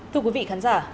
thưa quý vị khán giả